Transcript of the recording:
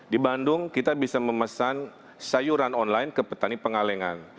di bandung kita bisa memesan sayuran online ke petani pengalengan